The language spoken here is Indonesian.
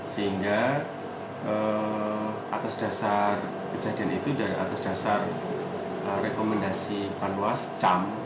sehingga atas dasar kejadian itu atas dasar rekomendasi panwas cam